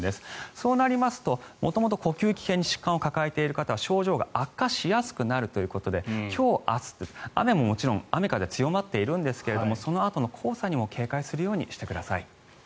そうなりますと、元々呼吸器系に疾患を抱えている方は症状が悪化しやすくなるということで今日、明日と雨風も強まっているんですがそのあとの黄砂にも警戒するようにしてください。